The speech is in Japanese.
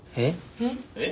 えっ。